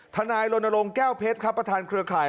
ท่านายโลนโลงแก้วเพชรครับประธานเครื่องข่าย